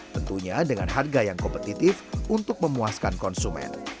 tentunya dengan harga yang kompetitif untuk memuaskan konsumen